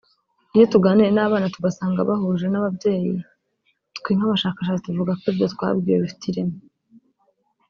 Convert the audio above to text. Iyo tuganiriye n’abana tugasanga bahuje n’ababyeyi twe nk’abashakashatsi tuvuga ko ibyo twabwiwe bifite ireme